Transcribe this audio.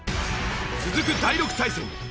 続く第６対戦。